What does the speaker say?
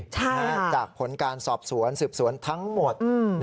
จากผลการสอบสวนสืบสวนทั้งหมด